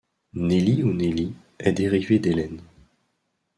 Nelli ou Nelly est dérivé d'Hélène.